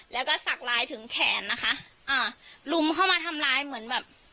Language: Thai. แล้วก็สักลายถึงแขนนะคะอ่าลุมเข้ามาทำร้ายเหมือนแบบ